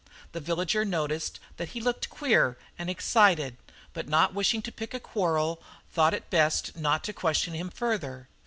The villager noticed that he looked queer and excited, but not wishing to pick a quarrel thought it best not to question him further.